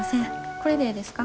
これでええですか？